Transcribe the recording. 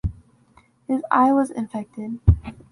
His eye was infected.